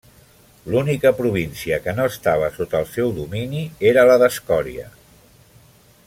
L'única província que no estava sota el seu domini era la d'Escòria.